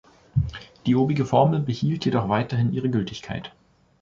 Die obige Formel behielt jedoch weiterhin ihre Gültigkeit.